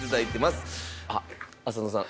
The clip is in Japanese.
あっ浅野さん。